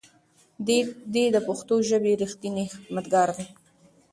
دی د پښتو ژبې رښتینی خدمتګار دی.